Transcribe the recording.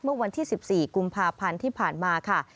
เมื่อวันที่๑๔กุมภาพันธ์ที่ผ่านมาค่ะ